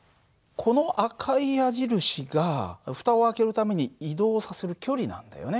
この赤い矢印が蓋を開けるために移動させる距離なんだよね。